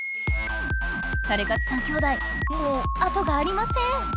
タレかつ三兄弟もう後がありません！